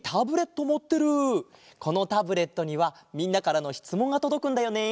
このタブレットにはみんなからのしつもんがとどくんだよね。